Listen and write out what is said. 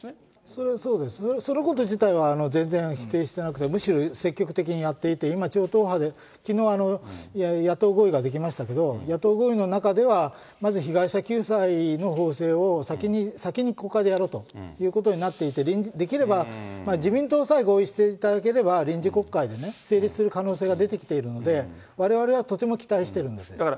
それはそうです、そのこと自体は全然否定してなくて、むしろ積極的にやっていて、今、超党派で、きのう野党合意が出来ましたけど、野党合意の中では、まず被害者救済の法制を先に国会でやろうということになっていて、できれば自民党さえ合意していただければ、臨時国会で成立する可能性が出てきているので、われわれはとても期待してるんです。